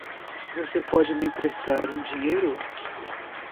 Você pode me emprestar um dinheiro?